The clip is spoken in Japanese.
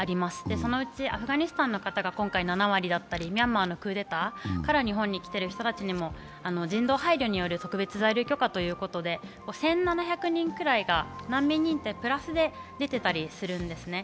そのうち、アフガニスタンの方が７割だったりミャンマーのクーデターから日本に来ている人たちにも人道配慮による特別在留許可ということで１７００人くらいが難民認定プラスで出てたりするんですね。